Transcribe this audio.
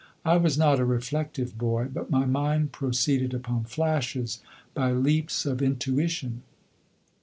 I was not a reflective boy, but my mind proceeded upon flashes, by leaps of intuition.